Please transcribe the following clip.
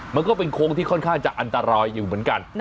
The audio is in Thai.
มันก็เป็นโค้งที่ค่อนข้างจะอันตรายอยู่เหมือนกัน